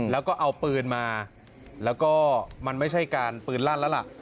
แล้วก็เอาปืนมาแล้วก็มันไม่ใช่การปืนลั่นแล้วล่ะ